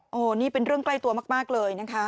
โอ้โหนี่เป็นเรื่องใกล้ตัวมากเลยนะคะ